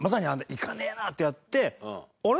いかねえなってやってあれ？